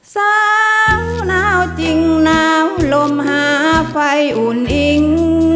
สาวหนาวจริงหนาวลมหาไฟอุ่นอิง